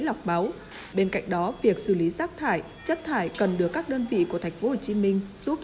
lọc máu bên cạnh đó việc xử lý rác thải chất thải cần được các đơn vị của tp hcm giúp